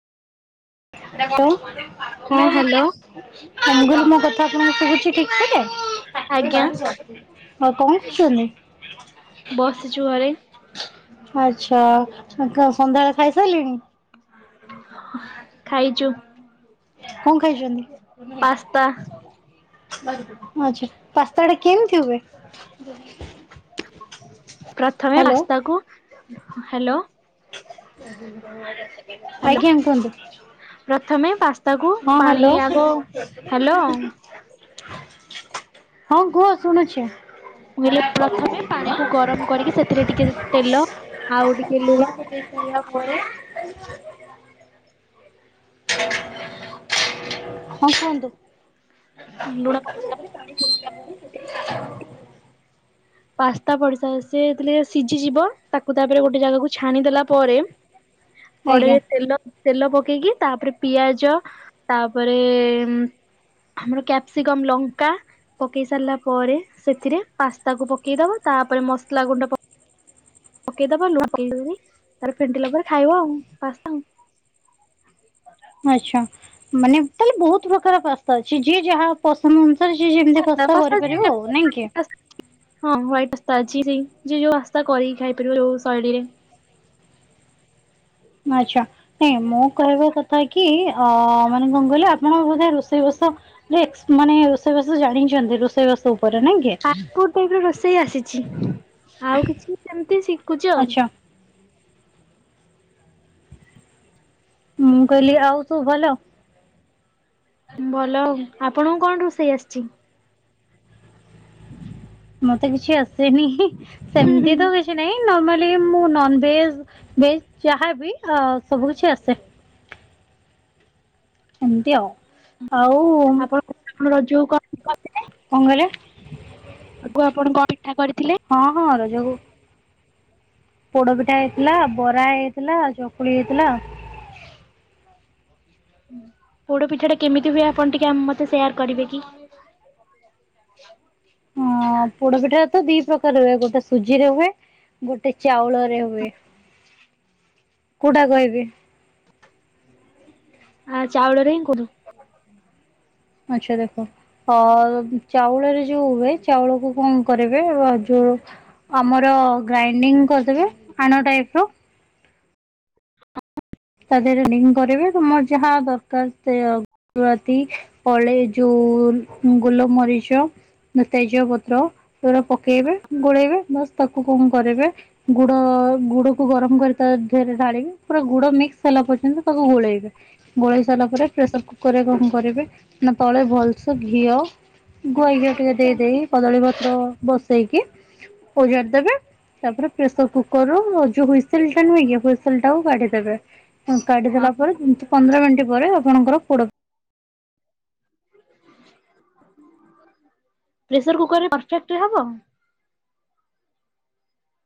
ଏଟା ହଁ କଣ? ହ୍ୟାଲୋ ଗଲ ମ କଥା ମୋ ଠୁ କିଛି ଶିଖିଲେ? [unintelligible] ଆଜ୍ଞା ଆଉ କଣ କରୁଛନ୍ତି? ବସିଛୁ ଆରେ ଆଚ୍ଛା ସନ୍ଧ୍ୟାବେଳେ ଖାଇସାରିଲେଣି? ଖାଇଛୁ। କଣ ଖାଇଛନ୍ତି? ପାସ୍ତା ଆଛା ପାସ୍ତାଡେ କେମିତି ହୁଏ ପ୍ରଥମେ ହ୍ୟାଲୋ ପାସ୍ତାକୁ ହ୍ୟାଲୋ [unintelligible] ହ୍ୟାଲୋ ଆଜ୍ଞା କୁହନ୍ତୁ ପ୍ରଥମେ ପାସ୍ତାକୁ ହଁ ପାଣି ହ୍ୟାଲୋ ଆଗ ହ୍ୟାଲୋ ହଁ କୁହ ଶୁଣୁଛି। ମୁଁ ହେଲେ ହଁ ପ୍ରଥମେ ପାଣି କୁ ଗରମ କରିକି ସେଥିରେ ଟିକେ ତେଲ, ଆଉ ଟିକେ ଲୁଣ ଦେଇ ସରିଲାପରେ [inaudible] ହଁ କୁହନ୍ତୁ? [inaudible] [inaudible] ଲୁଣ ପାସ୍ତା ପଡିଶା ସେ ସିଝିଯିବ ତାକୁ ତାପରେ ଗୋଟେ ଜାଗାକୁ ଛାଣିଦେଲା ପରେ ଆଜ୍ଞା କଡେଇରେ ତେଲ ତେଲ ପ ପେଇକି ତାପରେ ପିଆଜ ତାପରେ ଆମର କ୍ୟାପସିକମ ଲଙ୍କା ପକେଇ ସାରିଲା ପରେ ସେଥିରେ ପାସ୍ତା କୁ ପ ପକେଇଦବ ତାପରେ ମସଲା ଗୁଣ୍ଡ ପ୍ କେ ପକେଇଦବ ଲୁଣ ତାର ଫେଣ୍ଟିଲା ପରେ ଖାଇବା ଆଉ ପାସ୍ତା। ଆଛା ମାନେ ତାହେଲେ ବହୁତ ପ୍ରକାର ପାସ୍ତା ଅଛି ଯିଏ ଯାହା ପସନ୍ଦ ଅନୁ ସିଏ ଯେମିତି ପାସ୍ତା କରିପାରିବ ଆଉ ନାଇଁ କି। ଜି ସେଇ ଯ ଯୋଉ ଆସ୍ତା କରିକି ଖାଇପାରିବ ଯୋଉ ଶୈଳୀ ଆଛା। ନଁ ମୁଁ କହିବା କଥା କି ଅ ମାନେ ଗଙ୍ଗଲି ଆପଣଙ୍କବୋଧେ ରଷ ସେ ମାନେ ରେସେଇ ବାସ ଜାଣିିଛନ୍ତି ରଷେଇ ବାସ୍ ଫାଷ୍ଟ ଫୁଡ୍ ରୋଷେଇ ଆସିଛି ଆଉ କିଛି ସେମତି ଶିଖୁଛି ଆଉ। ଆଚ୍ଛା। ମୁଁ କହିଲି ଆଉ ତୁ ଭଲ ଭଲଉ ଆପଣଙ୍କୁ କଣ ରୋଷେଇ ଆସିଛି? ମତେ କିଛି ଆ ହୁଁ ସେମତି ହୁଁ ତ କିଛି ନାଇଁ ନର୍ମାର୍ଲି ମୁଁ ନନଭେଜ ଭେଜ ଯାହାବି ଅ ସବୁ କିଛି ଆସେ। ଏମିତି ଆଉ ଆଉ। ଆମର ଯୋଉ କ କଣ କହିଲେ ଆଗୁ ଆପଣ କଣ ଇଠା କରିଥିଲେ। ନୋଗୁଁ ପୋଡପିଠା ହେଇଥିଲା ବରା ହେଇଥିଲା ଚକୁଳି ହେଇଥିଲା ପୋଡ ପିଠା ଟା କେମିତି ହୁଏ ଆପଣ ଟିକେ ମତେ ସେୟାର କରିବେ କି? ହଁ ପୋଡପିଠା ତ ଦି ପ୍ରକାର ହୁଏ ଗୋଟେ ସୁଜିରେ ହୁଏ ଗୋଟେ ଚାଉଳରେ ହୁଏ କୋଉଟା କହିବି। ଆ ଚାଉଳରେ ହିଁ କରୁ ଆଚ୍ଛା ଦେଖ ଚାଉଳରେ ଯୋଉ ହୁଏ ଚାଉଳକୁ କଣ କରିବେ ଯୋଉ ଆମର ଗ୍ରାଇଣ୍ଡିଙ୍ଗ କରିଦେବେ ଆଣ ଟାଇପ ର ତା ଦେହରେରେି କରିବେ ତମର ଯାହା ଦରକାରତି ଅଳେଇ ଯୋଉ ଗୋଲମରିଚ ତେଜ ପତ୍ର ସେଗୁଡା ପକେଇବେ ଗୋଳେଇବେସ୍ ତାକୁ କଣ କରିବେ ଗୁଡ ଗୁଡକୁ ଗରମ କରି ତା ଦେହରେ ଢାଳିବେ ପା ଗୁଡ ମିକ ସାରିଲା ପର୍ଯ୍ୟନ୍ତ ତାକୁ ଗୋଳେଇବେ ଗୋଳେଇ ସାରିଲା ପରେ ପ୍ରେସର କୁକର ରେ କଣ କରିବେ ନା ତଳେ ଭଲସେ ଘିଅ ଗୁଆଇ ଘିଅ ଟିକେ ଦେଇ ଦେଇେଇ କଦଳୀ ପତ୍ର ବସେଇକି ଓଜାରଦେବେ ତାପରେ ପ୍ରେସର କୁକର ରୁ ଯୋଉ ହୁସିଲ ଟା ନୁହେଁ ହୁସିଲ ଟାକୁ କାଢଦେବେ ହଁ କାଢିଦଲା ପରେ ପନ୍ଦର ମିନିଟ ପରେ ଆପଣଙ୍କର ପୋଡ ପ୍ରେସର କୁକରରେ ପରଫେକ୍ଟ ହବ?